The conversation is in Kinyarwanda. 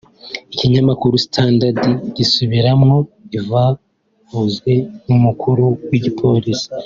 Ikinyamakuru Standard gisubiramwo ivyavuzwe n'umukuru w'igipolisi